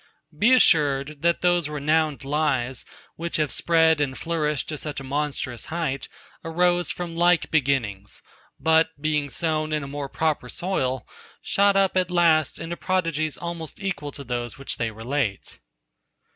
Be assured, that those renowned lies, which have spread and flourished to such a monstrous height, arose from like beginnings; but being sown in a more proper soil, shot up at last into prodigies almost equal to those which they relate.